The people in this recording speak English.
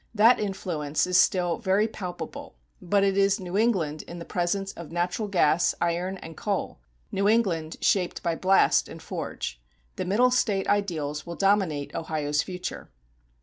That influence is still very palpable, but it is New England in the presence of natural gas, iron, and coal, New England shaped by blast and forge. The Middle State ideals will dominate Ohio's future.